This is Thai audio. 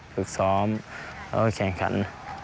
ฝึกซ้อมแล้วก็แข่งขัน